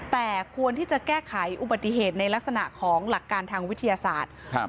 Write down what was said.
แต่ควรที่จะแก้ไขอุบัติเหตุในลักษณะของหลักการทางวิทยาศาสตร์ครับ